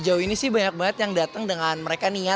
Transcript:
jadi di dalamnya ada tipe item kekuatan